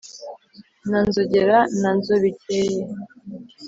na nzogera na nzobikeye